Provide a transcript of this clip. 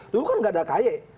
dulu kan nggak ada kay